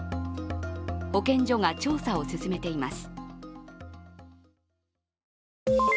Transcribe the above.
保健所が調査を進めています。